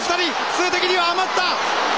数的には余った！